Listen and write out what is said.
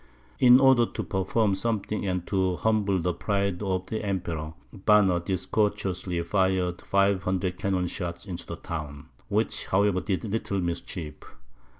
In order to perform something, and to humble the pride of the Emperor, Banner discourteously fired 500 cannon shots into the town, which, however, did little mischief.